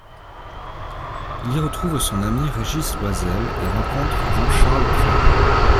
Il y retrouve son ami Régis Loisel et rencontre Jean-Charles Kraehn.